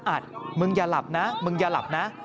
อัดมึงอย่าหลับนะ